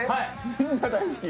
みんな大好き？